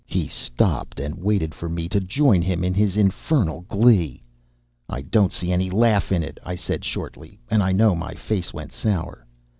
'" He stopped and waited for me to join him in his infernal glee. "I don't see any laugh in it," I said shortly, and I know my face went sour.